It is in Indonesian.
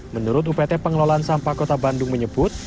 menurut upt pengelolaan sampah kota bandung menyebut